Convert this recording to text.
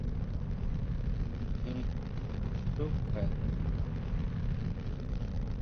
Nintjin xú kjue.